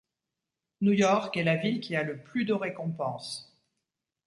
New York est la ville qui a le plus de récompenses.